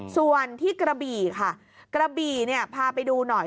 ส่วนที่กระบี่ค่ะกระบี่เนี่ยพาไปดูหน่อย